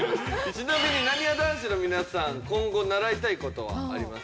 ちなみになにわ男子の皆さん今後習いたい事はありますか？